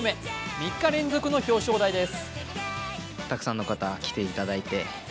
３日連続の表彰台です。